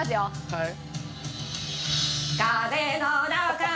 はい。